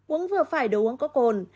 uống vừa phải đồ uống có cồn